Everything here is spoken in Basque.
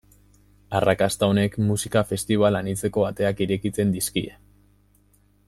Arrakasta honek musika festibal anitzeko ateak irekitzen dizkie.